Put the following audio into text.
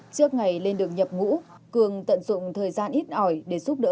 trước ngày lên đường nhập ngũ cương tận dụng thời gian ít ỏi để giúp đỡ bố